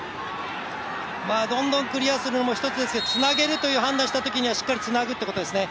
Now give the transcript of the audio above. どんどんクリアするのも一つですけどつなげるという判断をしたときにはしっかりつなげるということですね。